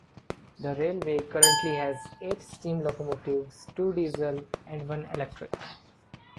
The railway currently has eight steam locomotives, two diesel and one electric.